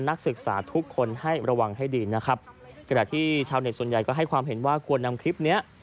นักศึกษาทุกคนให้ระวังให้ดีนะครับกระดาษที่ชาวเน็ตส่วนใหญ่ก็ให้ความเห็นว่าควรนำคลิปเนี้ย